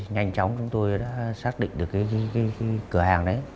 nhanh chóng chúng tôi đã xác định được cái cửa hàng đấy